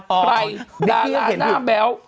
ไปดาราหน้าแบว